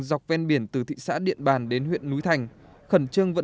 dọc ven biển từ thị xã điện bàn đến huyện núi thái